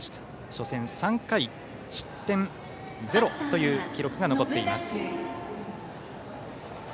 初戦、３回を投げて失点０という記録が残っています。